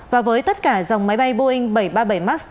và với tất cả dòng máy bay boeing bảy trăm ba mươi bảy max